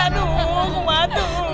aduh muma tuh